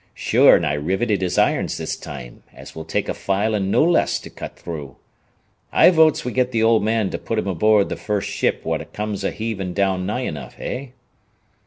Sure, an' I riveted his irons this time, as will take a file an' no less to cut through. I votes we get th' old man to put him aboard th' first ship what comes a heavin' down nigh enough, hey?"